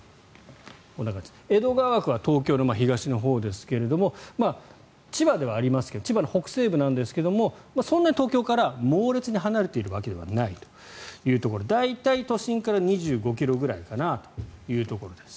江戸川区は東京の東のほうですが千葉ではありますが千葉の北西部なんですがそんなに東京から猛烈に離れているわけではないというところ大体都心から２５ｋｍぐらいかなというところです。